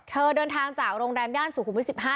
เธอเดินทางจากโรงแรมย่านสู่คุมวิสิบห้า